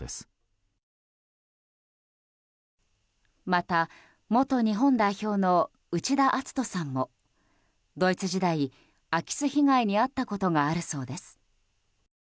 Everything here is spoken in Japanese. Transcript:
また、元日本代表の内田篤人さんもドイツ時代、空き巣被害に遭ったことがあるそうです。